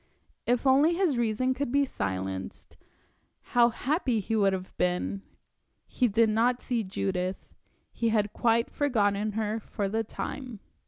If only his reason could be silenced, how happy he would have been! He did not see Judith; he had quite forgotten her for the time.